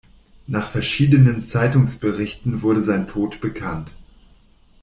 Nach verschiedenen Zeitungsberichten wurde sein Tod bekannt.